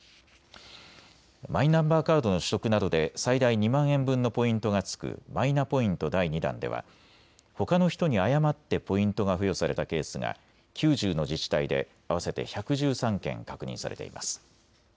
マイナンバーカードの取得などで最大２万円分のポイントが付くマイナポイント第２弾ではほかの人に誤ってポイントが付与されたケースが９０の自治体で合わせて１１３件確認されています。